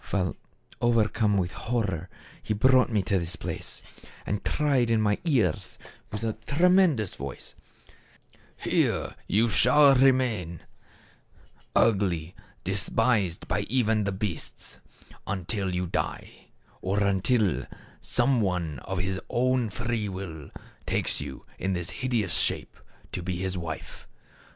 While overcome with horror he brought me to this place, and cried in my ears with a tremendous voice, ' Here shall you remain, ugly, despised by even the beasts, until you die ; or until some one of his own free will, takes you in this hideous shape to be his wife.